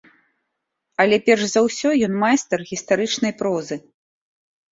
Але перш за ўсё ён майстар гістарычнай прозы.